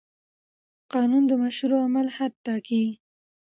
قانون د مشروع عمل حد ټاکي.